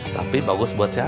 tapi bagus buat siapa ceng